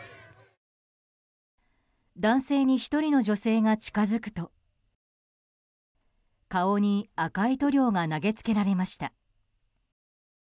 男性に１人の女性が近づくと顔に赤い塗料が投げつけられました。